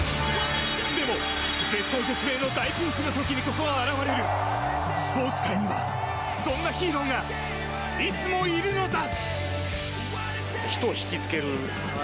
でも、絶体絶命の大ピンチの時にこそ現れるスポーツ界にはそんなヒーローがいつもいるのだ！